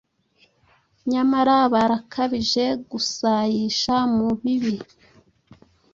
nyamara barakabije gusayisha mu bibi.